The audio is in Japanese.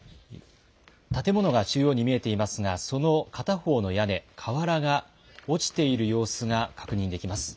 建物が中央に見えていますが、その片方の屋根、瓦が落ちている様子が確認できます。